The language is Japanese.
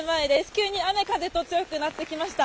急に雨風共に強くなってきました。